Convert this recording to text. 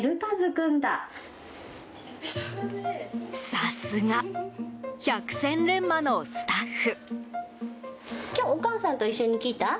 さすが、百戦錬磨のスタッフ。